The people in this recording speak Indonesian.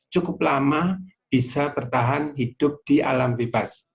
cukup lama bisa bertahan hidup di alam bebas